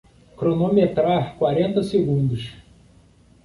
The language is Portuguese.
Cronometrar quarenta segundos